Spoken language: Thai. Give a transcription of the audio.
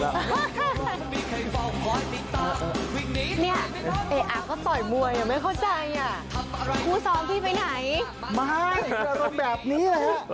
วิ่งวิ่งวิ่งวิ่ง